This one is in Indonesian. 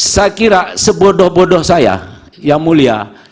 saya kira sebodoh bodoh saya yang mulia